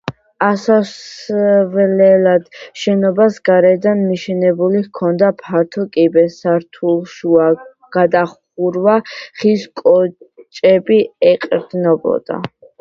ასასვლელად შენობას გარედან მიშენებული ჰქონდა ფართო კიბე, სართულშუა გადახურვა ხის კოჭებს ეყრდნობოდა.